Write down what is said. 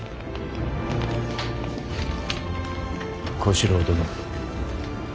小四郎殿。